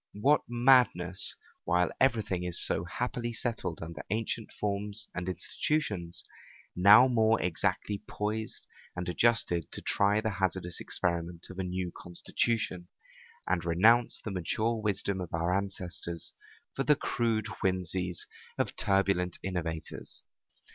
What madness, while every thing is so happily settled under ancient forms and institutions, now more exactly poised and adjusted, to try the hazardous experiment of a new constitution, and renounce the mature wisdom of our ancestors for the crude whimseys of turbulent innovators!